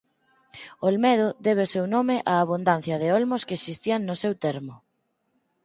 Olmedo debe o seu nome á abundancia de olmos que existían no seu termo.